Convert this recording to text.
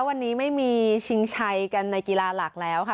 วันนี้ไม่มีชิงชัยกันในกีฬาหลักแล้วค่ะ